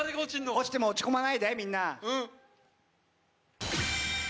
落ちても落ち込まないでみんな。